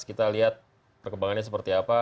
kita lihat perkembangannya seperti apa